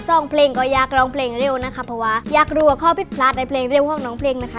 สองเพลงก็อยากร้องเพลงเร็วนะคะเพราะว่าอยากรู้ว่าข้อผิดพลาดในเพลงเร็วของน้องเพลงนะคะ